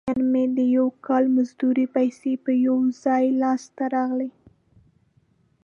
نن مې د یو کال مزدورۍ پیسې په یو ځای لاس ته راغلي.